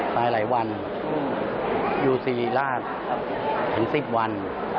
ตายหลายวันอยู่ศรีราช๑๐วัน